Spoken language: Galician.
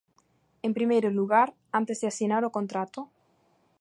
En primeiro lugar, antes de asinar o contrato.